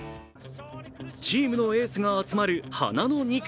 チームのエースが集まる花の２区。